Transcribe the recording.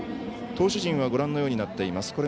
投手陣はご覧のようになっています。